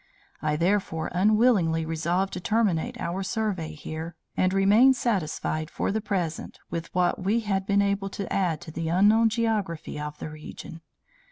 I therefore unwillingly resolved to terminate our survey here, and remain satisfied for the present with what we had been able to add to the unknown geography of the region.